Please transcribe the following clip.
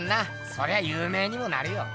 そりゃゆう名にもなるよ。